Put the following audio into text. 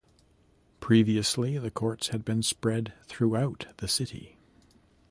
Previously the courts had been spread throughout the city.